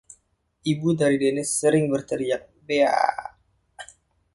Ibu dari Dennis sering berteriak; Bea!